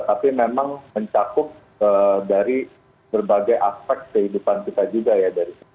tapi memang mencakup dari berbagai aspek kehidupan kita juga ya